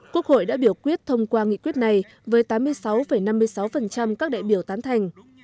quốc hội đã biểu quyết thông qua nghị quyết này với tám mươi sáu năm mươi sáu các đại biểu tán thành